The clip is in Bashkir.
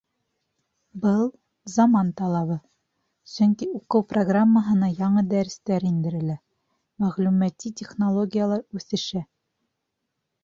Был — заман талабы, сөнки уҡыу программаһына яңы дәрестәр индерелә, мәғлүмәти технологиялар үҫешә.